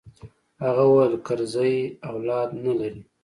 هغه وويل کرزى اولاد نه لري.